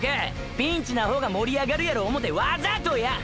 ピンチな方が盛り上がるやろ思てわざとや！！